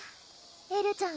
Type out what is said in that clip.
エルちゃん